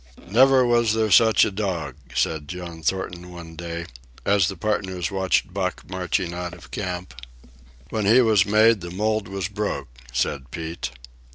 "Never was there such a dog," said John Thornton one day, as the partners watched Buck marching out of camp. "When he was made, the mould was broke," said Pete.